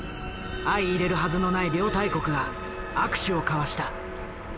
相いれるはずのない両大国が握手を交わした。